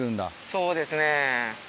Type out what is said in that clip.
そうですね。